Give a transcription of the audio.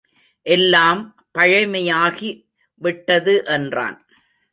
எல்லாம் பழமையாகி விட்டது என்றான்.